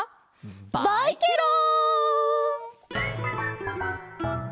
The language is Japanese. バイケロン！